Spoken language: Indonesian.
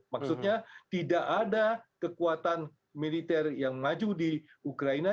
maksudnya tidak ada kekuatan militer yang maju di ukraina